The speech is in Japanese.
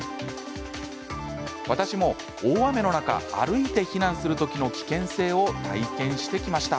私も大雨の中歩いて避難する時の危険性を体験してきました。